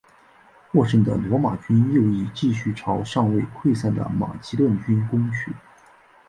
获胜的罗马军右翼继续朝尚未溃散的马其顿军攻去。